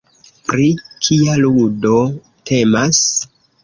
Pri kia ludo temas?